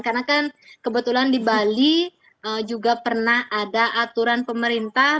karena kan kebetulan di bali juga pernah ada aturan pemerintah